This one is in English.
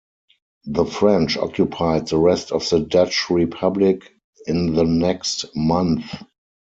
The French occupied the rest of the Dutch Republic in the next month.